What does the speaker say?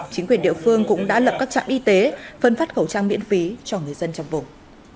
chính quyền địa phương cũng đã lập các trạm y tế phân phát khẩu trang miễn phí cho người dân trong vùng